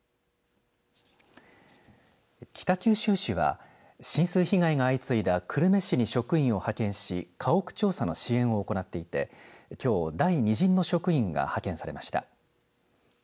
北九州市は浸水被害が相次いだ久留米市に職員を派遣し家屋調査の支援を行っていてきょう第２陣の職員が派遣されました。